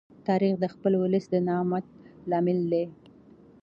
تاریخ د خپل ولس د نامت لامل دی.